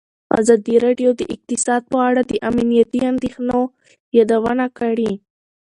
ازادي راډیو د اقتصاد په اړه د امنیتي اندېښنو یادونه کړې.